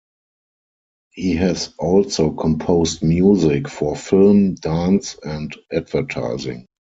He has also composed music for film, dance and advertising.